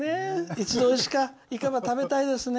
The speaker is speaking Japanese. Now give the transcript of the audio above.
一度おいしかイカば食べたいですね。